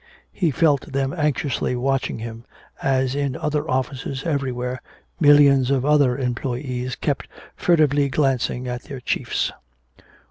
He felt them anxiously watching him as in other offices everywhere millions of other employees kept furtively glancing at their chiefs.